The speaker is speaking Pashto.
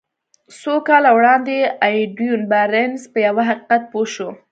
څو کاله وړاندې ايډوين بارنس په يوه حقيقت پوه شو.